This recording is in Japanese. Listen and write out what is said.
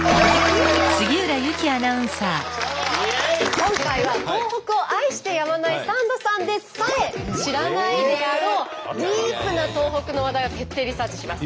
今回は東北を愛してやまないサンドさんでさえ知らないであろうディープな東北の話題を徹底リサーチします。